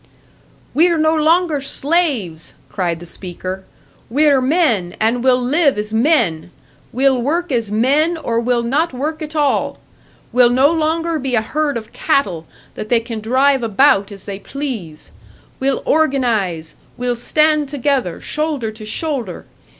"We're no longer slaves!" cried the speaker. "We're men and we'll live as men! We'll work as men or we'll not work at all! We'll no longer be a herd of cattle, that they can drive about as they please! We'll organise, we'll stand together shoulder to shoulder!